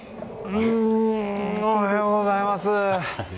うーん、おはようございます。